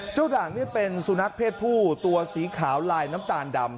ด่างนี่เป็นสุนัขเพศผู้ตัวสีขาวลายน้ำตาลดำ